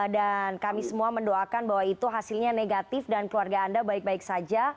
dan kami semua mendoakan bahwa itu hasilnya negatif dan keluarga anda baik baik saja